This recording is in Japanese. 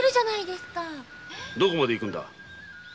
どこまで行くんだ？